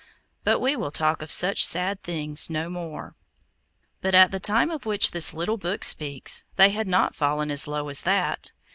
But we will talk of such sad things no more. But, at the time of which this little book speaks, they had not fallen as low as that.